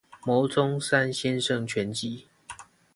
牟宗三先生全集